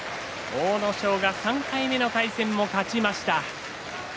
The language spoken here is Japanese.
阿武咲が３回目の対戦も勝ちました。